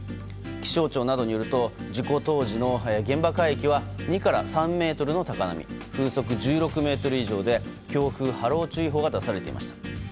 気象庁などによると事故当時の現場海域は２から３ｍの高波風速１６メートル以上で強風・波浪注意報が出されていました。